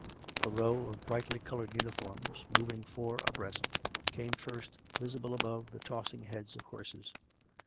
A row of brightly coloured uniforms, moving four abreast, came first, visible above the tossing heads of horses.